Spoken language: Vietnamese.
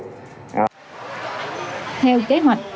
theo kế hoạch